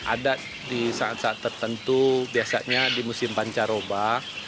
ada di saat saat tertentu biasanya di musim pancaroba